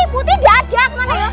putri gak ada kemana ya